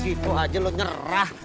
gitu aja lu nyerah